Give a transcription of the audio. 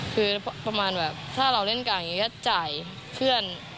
คือประมาณแบบถ้าเราเล่นกันอย่างนี้ก็จ่ายเพื่อน